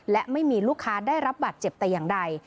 และไม่มีลูกค้าได้รับบัตรเจ็บแต่อย่างใด